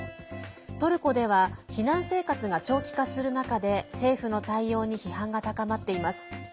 トルコでは避難生活が長期化する中で政府の対応に批判が高まっています。